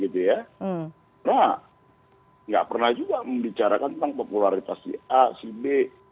karena tidak pernah juga membicarakan tentang popularitas si a si b